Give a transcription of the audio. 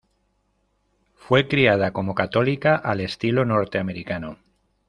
Fue criada como católica, al estilo norteamericano.